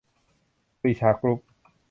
ปรีชากรุ๊ป